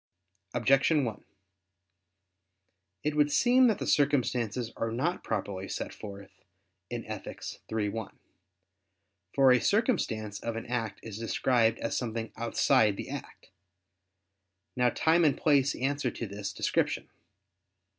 Objection 1: It would seem that the circumstances are not properly set forth in Ethic. iii, 1. For a circumstance of an act is described as something outside the act. Now time and place answer to this description.